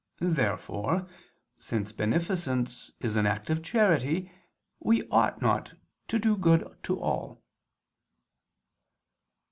Therefore, since beneficence is an act of charity, we ought not to do good to all.